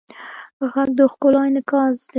غږ د ښکلا انعکاس دی